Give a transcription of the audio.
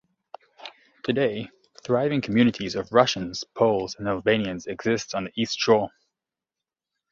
Today, thriving communities of Russians, Poles, and Albanians exist on the East Shore.